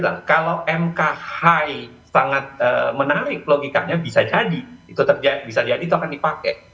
tapi kalau mk high sangat menarik logikanya bisa jadi itu akan dipakai